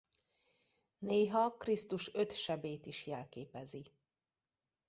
Néha Krisztus öt sebét is jelképezi.